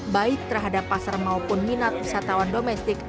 baik terhadap pasar maupun minat wisatawan domestik